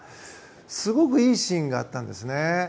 すごくいいシーンがあったんですね。